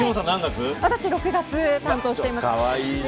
私は６月を担当しています。